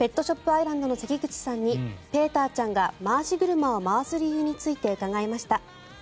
アイランドの関口さんにペーターちゃんが回し車を回す理由について伺いました。